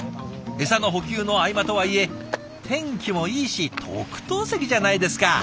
エサの補給の合間とはいえ天気もいいし特等席じゃないですか！